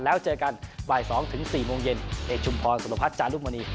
แล้วเจอกันบ่าย๒๔โมงเย็นในชุมพรสุรพัฒน์จานรุ่นวันนี้